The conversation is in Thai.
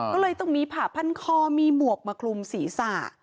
ก็เลยตรงนี้ผ่าพันธุ์คอมีหมวกมาคลุมสีสะ